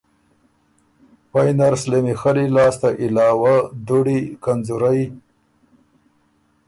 پئ نر سلېمی خلی لاسته علاوۀ دُړی، کنځورئ